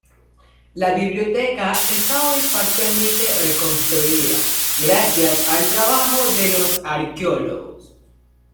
La biblioteca está hoy parcialmente reconstruida gracias al trabajo de los arqueólogos.